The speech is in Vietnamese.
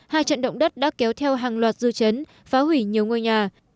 hai trận động đất đã kéo theo hàng loạt dư chấn phá hủy nhiều ngôi nhà